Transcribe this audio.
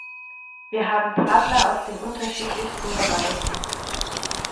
Wir haben Partner aus den unterschiedlichsten Bereichen.